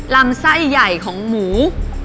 ลำไส้ใหญ่ของหมู